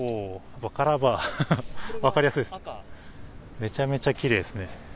めちゃめちゃきれいですね。